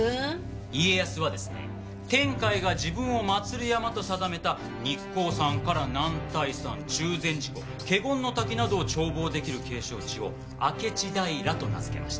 家康はですね天海が自分を祭る山と定めた日光山から男体山中禅寺湖華厳の滝などを眺望出来る景勝地を明智平と名づけました。